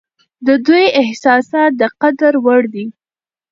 د دوی احساسات د قدر وړ دي.